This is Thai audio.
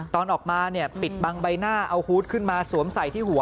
ตอนออกมาเนี่ยปิดบังใบหน้าเอาฮูตขึ้นมาสวมใส่ที่หัว